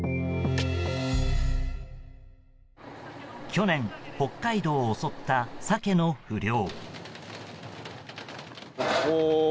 去年北海道を襲ったサケの不漁。